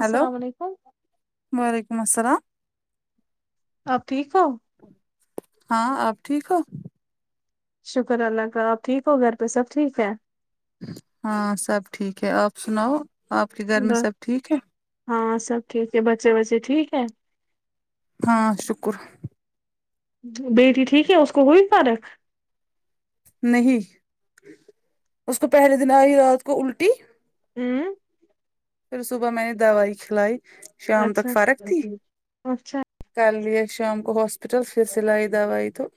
Hello السلام علیکم وعلیکم السلام آپ ٹھیک ہو ہاں آپ ٹھیک ہو شکر اللہ کا آپ ٹھیک ہو گھر پہ سب ٹھیک ہے ہاں سب ٹھیک ہے آپ سناؤ آپ کے گھر میں بس سب ٹھیک ہے ہاں سب ٹھیک ہے بچے وچے ٹھیک ہے ہاں شکر بیٹی ٹھیک ہے اس کو ہوئی فارق نہیں اس کو پہلے دن آئی رات کو الٹی ہوں پھر صبح میں نے دوائی کھلائی شام تک اچھا فرک تھی اچھا کرلے شام کو ہاسپٹل پھر سلائی دوائی تو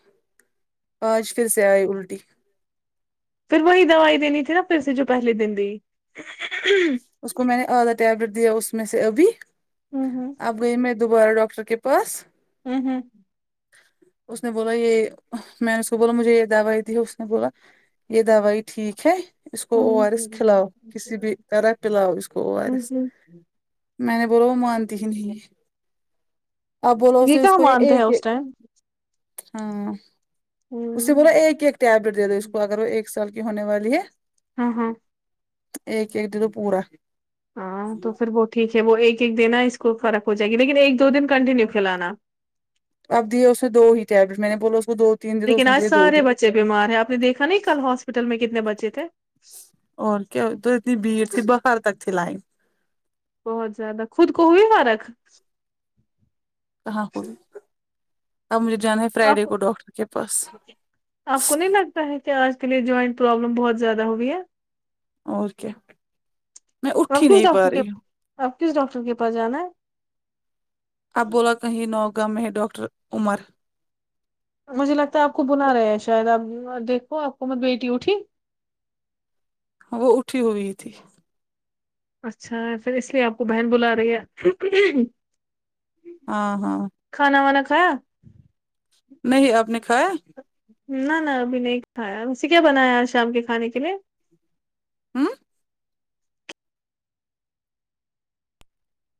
آج فر سے آئی الٹی پھر وہی دوائی دینی تھی نا پھر سے جو پہلے دن دی اس کو میں نے آدھا ٹیبلیٹ دیا اس میں سے ابھی ہوں اب گئی میں دوبارہ ڈاکٹر کے پاس ہوں ہوں اس نے بولا یہ میں نے اس کو بولا مجھے یہ داویی تھی اس نے بولا یہ دووائی ٹھیک ہے اس کو او ہوں ار اس ہوں کھلاو کسی بھی طرح پلاو اس گو او ار ہوں اس ہوں۔ میں نے بولو وہ مانتی ہی نہیں آپ بولو اسے اس کہاں کو یہ مانتے ہیں ایک اس ٹائم ہاں اسنے بولا ہوں ایک ایک ٹیبلیٹ دے دو اس کو اگر وہ ایک سال کی ہونے والی ہے ہوں ہوں ج دو تو پورا ہاں تو پھر وہ ٹھیک ہے وہ ایک ایک دینا اس کو فرق ہو جائے گی لیکن ایک دو دن کنٹینیو کھلانا اب دیے اس نے دو ہی ٹیبٹلٹ میں نے بولا اس کو دو تین دے دو اس لیکن نے آج دیے دو ہی سارے بچے بیمار ہیں آپ نے دیکھا نہیں کل ہاسپٹل میں کتنے بچے تھے اور کیا ہو تو اتنی بھیڑ تھی باہر تک تھی لائن بہت زیادہ خود کو ہوئی فرق کہاں ہوئی اب مجھے جانا ہے فرائیڈے آپ کو ڈاکٹر کے پاس کیا ہے کہ آج کے لیے جوائنٹ پرابلم بہت زیادہ ہوگئی ہے اور کیا میں اٹھہی نہیں پا رہی ہوں اب کس ڈاکٹر کے پاس جانا ہے اب بولا کہیں نوگاہ میں ہے ڈاکٹر عمر مجھے لگتا ہے آپ کو بلا رہے ہیں شاید آپ دیکھو آپ کو مت بیٹی اٹھی وہ اٹھی ہوئی تھی اچھا پھر اس لیے آپ کو بہن بلا رہی ہے اں ہاں کھانا وانا کھایا نہیں آپ نے کھایا نہ نہ ابھی نہیں کھایا ویسے کیا بنایا آج شام کے کھانے کے لیے ہوں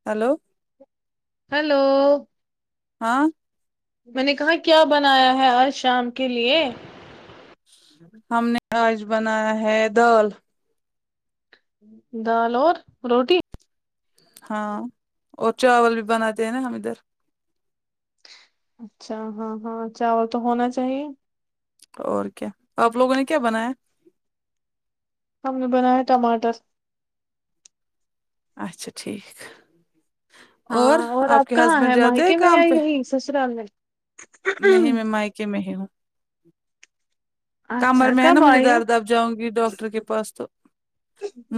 ہیلو ہیلو ہاں میں نے کہا کیا بنایا ہے آج شام کے لیے ہم نے آج بنایا ہے دال دال اور روٹی ہاں اور چاول بھی بناتے ہیں نا ہم ادھر اچھا ہاں ہاں چاول تو ہونا چاہیے اور کیا آپ لوگوں نے کیا بنایا ہم نے بنایا ٹماٹر اچھا ٹھیک اور ہاں آپ کے کہاں ہسبینڈ ہے جاتے ہیں مائکے میں یا کام پہ یہی سسرال میں نہیں میں مائکے میں ہی ہوں کمر اچھا میں ہے نا کب مجھے آئی ہو درد آب جاؤں گی ڈاکٹر کے پاس تو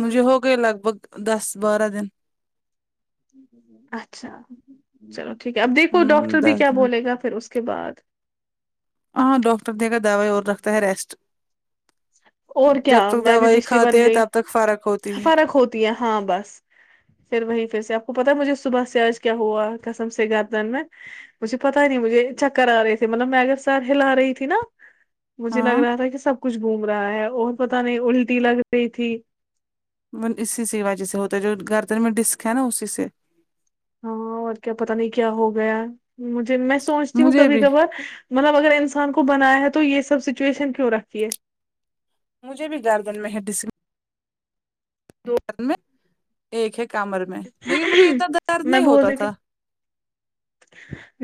مجھے ہو گئی لگ بھگ دس بارہ دن اچھا چلو ٹھیک ہے اب دیکھو ہ ڈاکٹر بھی دس کیا دن بولے گا فر اس کے بعد ہاں ڈاکٹر دے گا دوائی اور رکھتا ہے ریسٹ اور کیا جب تک میں بھی دوائی پچھلی کھاتے ہیں تب تک فرق ہوتی ہے تو یا ہاں بس پھر وہیں پھر سے آپ کو پتا ہے مجھے صبح سے آج کیا ہوا قسم سے گردن میں مجھے پتا ہی نہیں مجھے چکر آ رہے تھے مطلب میں گر سر ہلا رہی تھی نا مجھے لگ ہاں رہا تھا کہ سب کچھ گھوم رہا ہے اور پتا نہیں الٹی لگ رہی تھی اسی سی وجہ سے ہوتا ہے جو گردن میں ڈسک ہے نا اسی سے ہاں اور کیا پتا نہیں کیا ہو گیا ہے مجھے میں سوچتی ہوں مجھے کبھی بھی کبار مطلب اگر انسان کو بنایا ہے تو یہ سب سچویشن کیوں رکھیے مجھے بھی گاردن میں ہے ڈس دو میں ایک ہے کمر میں لیکن مجھے اتنا درد میں نہیں بول ہوتا رہی تھی تھا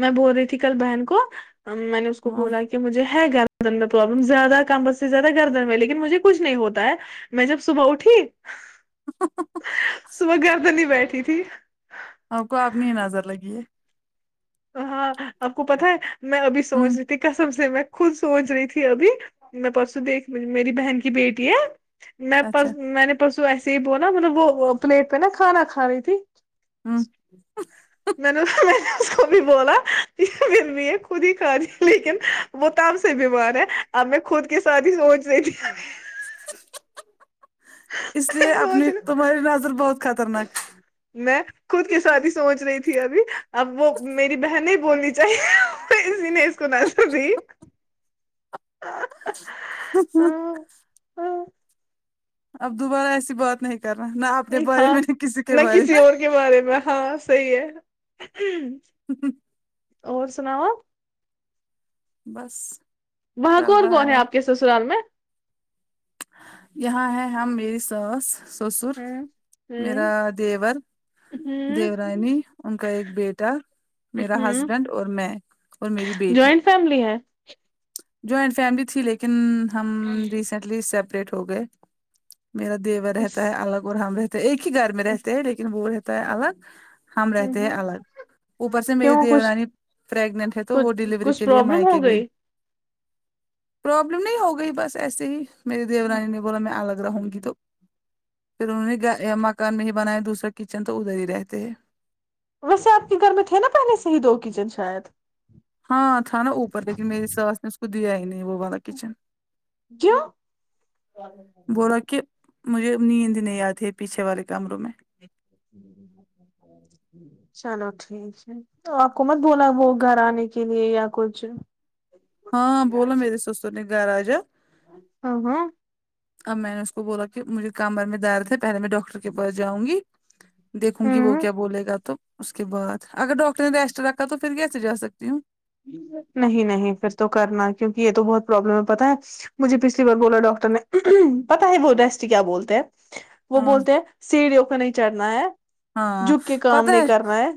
میں بول رہی تھی کل بہن کو میں نے اس کو ہاں بولا کہ مجھے ہے گر دن میں پرابلم زیادہ کمر سے زیادہ گردن میں لیکن مجھے کچھ نہیں ہوتا ہے میں جب صبح اٹھی صبح گر دنی بیٹھی تھی آپ کو آپنی نظر لگی ہے ہاں آپ کو پتا ہے میں ابھی ہمم سوچ قسم سے میں خود سوچ رہی تھی ابھی میں پرسوں دیکھ میری بہن کی بیٹی ہے میں اچھا پرس میں نے پرسوں ایسے ہی بولا مطلب وہ پلیٹ پہ نا کھانا کھا رہی تھی ہمم میں نے بھی بولا م بھی خود ہی کھا رہی لیکن وہ تب سے بیمار ہے اب میں خود کے شادی سوچ رہی تھی اس لیے سوچ اپنی رہی تمہاری نظر بہت خطرناک میں خود کے ساتھ ہی سوچ رہی تھی ابھی اب وہ میری بہن نہیں بولنی چاہیے اسی نے کونا س بھی ہاں ہاں اب دوبارہ ایسی بات نہیں کرنا نہ اپنے بارے ہاں میں نہ کسی کے بارے کسی میں اور کے بارے میں ہاں صحیح ہے ہاں اور سناؤ آپ بس وہاں چل کون رہا کون ہے آپ کے سسرال میں یہاں ہے ہم میری ساس سسر ہ ہ میرا دیور دیورانی ان کا ایک بیٹا میرا ہ ہسبینڈ اور میں اور میری بیٹی جوائنٹ فیملی ہے جوائنٹ فیملی تھی لیکن ہم ریسینٹلی سپ ریٹ ہو گئے میرا دیور رہتا ہے الگ اور ہم رہتے ایک ہی گھر میں رہتے ہیں لیکن وہ رہتا الگ ہم رہتے ہیں الگ اوپر سے میری کیوں کچھ دیورانی پرریگنٹ ہے تو کچھ وہ ڈیلیوری کچھ کے لیے پرابلم مائک ہو گئی پروابلم نہیں ہو گئی بس ایسے ہی میری دیو رانی نے بولا میں آ لگ رہا ہوں گی تو پھر انہوں نے مکان میں ہی بنایا دوسرا کچن تو ادھر ہی رہتے ہیں ویسے آپ کے گھر میں تھے نا پہلے سے ہی دو کچن شاید ہاں تھا نا اوپر لیکن میری ساس نے اس کو دیا ہی نہیں وہ والا کچن کیوں بولا کہ مجھے نیند نہیں اتی ہے پیچھے والے کمروں میں [inaudible] چلو ٹھیک ہے تو آپ کو مت بولا وہ گھر آنے کے لیے یا کچھ ہاں بولو میرے سسر نےگھر ااجا ہاں ہاں اب میں نے اس کو بولا کہ مجھے کمر میں درد ہے پہلے میں ڈاکٹر کے پاس جاؤں گی دیکھوں گی وہ ہوں کیا بولے گا تو اس کے بعد اگر ڈاکٹر نے ریسٹ رکھا تو پھر کیسے جا سکتی ہوں نہیں نہیں پھر تو کرنا کیونکہ یہ تو بہت پرابلم ہے پتہ ہے مجھے پچھلی بار بولا ڈاکٹر نے پتا ہے وہ رسٹ کیا بولتے ہیں وہ ہاں بولتے ہیں سیڑھیوں کو نہیں چڑھنا ہے ہاں جھوک کے کام پتا نہیں کرنا ہے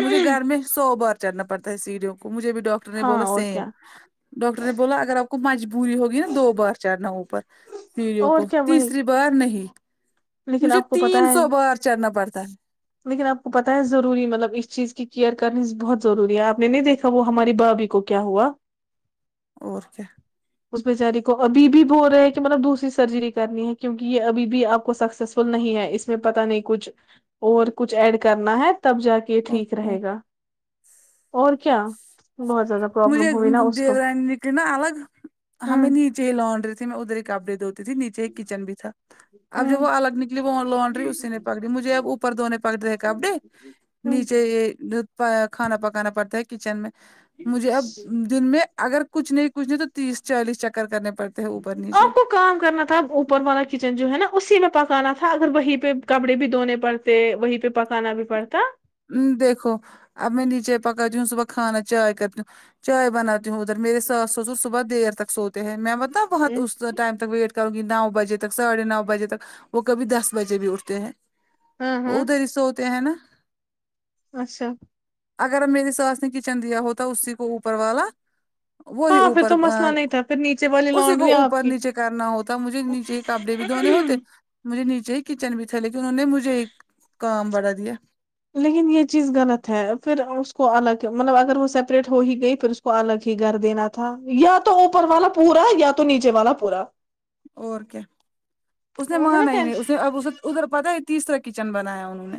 مجھے گھر میں سو بار چڑھنا پڑتا ہے سیڑیوں کو مجھے بھی ڈاکٹر نے ہاں بولا اور سیم کیا ڈاکٹر نے بولا اگر آپ کو مجبوری ہوگی نا دو بار چڑھنا اوپر سیڑیوں اور کو کیا وہی تیسری بار نہیں لیکن مجھے آپ کو تین پتا ہے سو بار چڑھنا پڑتا ہے لیکن آپ کو پتا ہے ضروری مطلب اس چیز کیئر کرنی بہت ضروری ہے آپ نے نہیں دیکھا وہ ہماری بھابھی کو کیا ہوا اور کیا اس بیچاری کو ابھی بھی بول رہے ہے کہ مطلب دوسری سرجری کرنی ہے کیونکہ یہ ابھی بھی آپ کو سکسیس فل نہیں ہے اس میں پتا نہیں کچھ اور کچھ ایڈ کرنا ہے تب جا کے او ٹھیک او رہے گا اور کیا بہت زیادہ مجھے پرابلم ہوئی نا د اس کو دیورانی کے نا الگ ہمیں ہوں نی یچے لانڈری تھی میں ادھر ہی کپڑے دھوتی تھی نیچے ایک کچن بھی تھا اب جب ہوں وہ الگ نک وہ لانڈری اسی نے پکڑی مجھے اب اوپر دھونے پڑتے ہے کپڑے ہوں نیچے یہ پ کھانا پکانا پڑتا ہے کچن میں مجھے اب دن میں اگر کچھ نہیں کچھ نہیں تو تیس چالیس چکر کرنے پڑتے ہیں اوپر نیچے آپ کو کام کرنا تھا اوپر والا کچن جو ہے نا اسی میں پکانا تھا اگر وہیں پہ کپڑے بھی دھونے پڑ تے وہیں پہ پکانا بھی پڑتا وں دیکھو اب میں نیچے پکاتی ہوں صبح کھانا چائے کرتی ہوں چائے بناتی ہوں ادھر میرے ساس سسر صبح دیر تک سوتے ہیں میں پتہ بہت اس ٹائم تک ویٹ کروں گی نو بجے تک ساڑھے نو بجے تک وہ کبھی دس بجے بھی اٹھتے ہیں ہاں وہ ہاں ادھر ہی سوتے ہے نا اچھا اگر میری ساس نے کچن دیا ہوتا اسی کو اوپر والا وہی ہاں پھر اوپر تو ا مسئلہ نہیں تھا پھر نیچے والی اسی کو لانڈری آپ اوپر نیچے کرنا ہوتا مجھے نیچے کپڑے بھی دھونے کی ہوتے مجھے نیچے ہی کچن بھی تھا لیکن انہوں نے مجھے ایک کام بڑھا دیا لیکن یہ چیز غلط ہے پھر اس کو الگ مطلب اگر وہ سیپریٹ ہو ہی گئی پھر اس کو الگ ہی گھر دینا تھا یا تو اوپر والا پورا یا تو نیچے والا پورا اور کیا اس نے وہ ہے نا مانا ہی نہیں اس نے اب اسے ادھر پتا ہے تیسرا کچن بنایا انہوں نے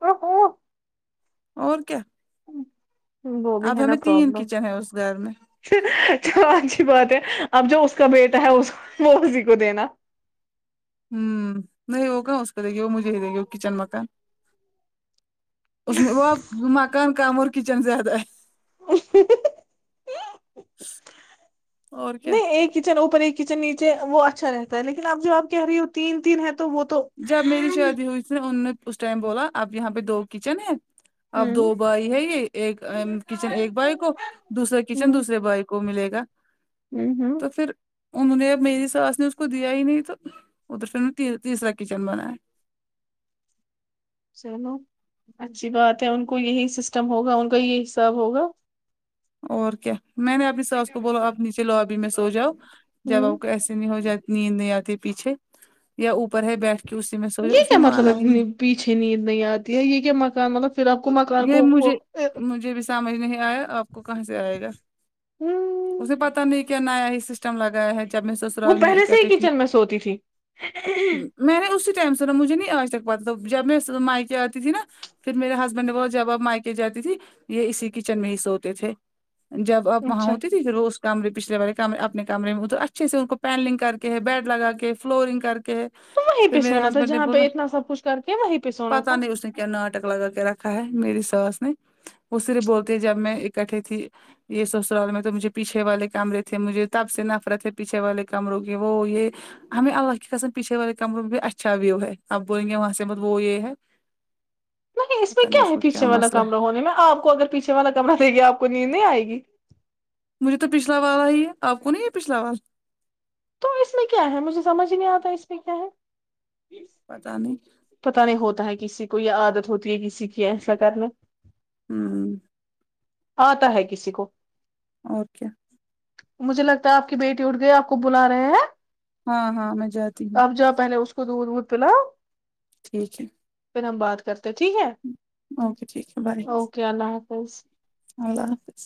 کب اور کیا ہوں اب ہمیں تین کچن ہے اس گھر میں چلو اچھی بات ہے اب جو اس کا بیٹا ہے وہ اسی کو دینا ہوں نہیں ہوگا اس کا دے گی وہ مجھے ہی دے گی وہ کچن مکان اس میں وہ اب مکان کم اور کچن سے زیادہ اں ہوں ہوں اور کیا نہیں ایک کچن اوپر ایک کچن نیچے وہ اچھا رہتا ہے لیکن اب جو آپ کہہ رہی ہو تین تین ہے تو وہ تو جب میری شادی ہوئی تھی انہوں نے اس ٹائم بولا اب یہاں پہ دو کچن ہے اب ہوں دو بھائی ہے یہ ایک ام کچن ایک بھائی کو دوسرا کچن ہوں دوسرے بھائی کو ملے گا ہوں ہوں تو پھر انہوں نے اب میری ساس نے اس کو دیا ہی نہیں تو ادھر پھر ان نے تیسرا کچن بنایا چلو اچھی بات ہے ان کو یہی سسٹم ہوگا ان کا یہی حساب ہوگا اور کیا میں نے اپنی ساس کو بولو آپ نیچے لوبی میں سو جاؤ جب ہوں ایسے نہیں ہو جات نیند نہیں آتی پیچھے یا اوپر ہے بیٹھ کے اس سے میں سوچا یہ اس نے کیا مطلب مانا ہے نہیں نی- پیچھے نیند نہیں آتی ہے یہ کیا مکان والا مطلب پھر آپ کو مکان یہ کو مجھے مجھے بھی سمجھ نہیں آیا آپ کو کہاں سے آئے گا ہوں، اسے پتا نہیں کیا نیا ہی سسٹم لگایا ہے جب میں سو وہ سرال میں پہلے سے اکٹے ہی تھی کچن میں سوتی تھی ہوں میں نے اسی ٹم سنا مجھے نہیں آج تک پتا تو جب میں میکے آتی تھی نا پھر میرے ہس بنے وہ جب آپ میکے جاتی تھی یہ اسی کچن میں ہی سوتے تھے جب آپ وہاں اچھا ہوتے رو اس کمرے پچھلے والے کمرے اپنے کمر میں تو اچھے سے ان کو پینلنگ کر کے ہے بیڈ لگا کے فلورنگ کر کے ہے تو وہیں پھر پہ میرے سونا تھا ہسبینڈ نے جہاں پہ بولا اتنا سب کچھ کر کے وہیں پہ سونا پتا تھا نہیں اس نے کیا ناٹک لگا کے رکھا ہے میری ساس نے وہ صرف بولتے جب میں اکٹھے تھی یہ سسرال میں تو مجھے پیچھے والے کمرے تھے مجھے تب سے نفرت ہے پیچھے والے کمروں کی وہ یہ ہمیں اللہ کی قسم پیچھے والے کمروں میں بھی اچھا ویو ہے اب بولیں گے وہاں سے مت وہ یہ ہے نہیں اس میں کیا ہے پیھے والا کمرہ ہونے میں آپ کو اگر پیھے والا کمرا دے گے آپ کو نیند نہیں آئے گی مجھے تو پچھلا والا ہی ہے آپ کو نہیں ہے پچھلا وال تو اس میں کیا ہے مجھے سمجھ ہی نہیں آتا اس میں کیا ہے پتا نہیں پتا نہیں ہوتا ہے کسی کو یا عادت ہوتی ہے کسی کی ایسا کرنا ہوں ہوں آتا ہے کسی کو اور کیا مجھے لگتا ہے آپ کی بیٹی اٹھ گئی آپ کو بلا رہے ہیں ہاں ہاں میں جاتی ہوں آپ جاو پہلے اس کو دودھ وودھ پلاؤ ٹھیک ہے پھر ہم بات کرتے ٹھیک ہے اوکے ٹھیک ہے بائے اوکے اللہ حافظ اللہ حافظ